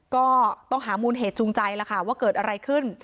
ก็ต้องหามูลเหตุจูงใจแล้วค่ะว่าเกิดอะไรขึ้น